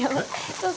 そう